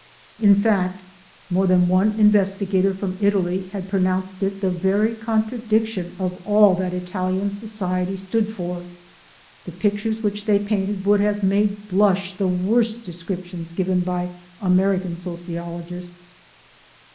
In fact, more than one investigator from Italy had pronounced it the very contradiction of all that Italian society stood for; the pictures 232 THE SOUL OF AN IMMIGRANT which they painted would have made blush the worst descriptions given by American sociologists.